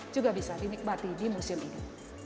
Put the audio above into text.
juga bisa dinikmati di museum ini